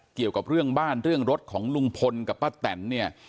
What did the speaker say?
เกี่ยวกับเรื่องบ้านเรื่องรถของลุงพลกับป้าแตนเนี่ย